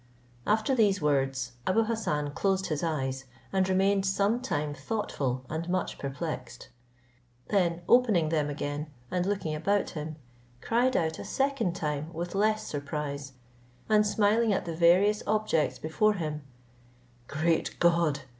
After these words, Abou Hassan closed his eyes, and remained some time thoughtful and much perplexed; then opening them again, and looking about him, cried out a second time with less surprise, and smiling at the various objects before him, "Great God!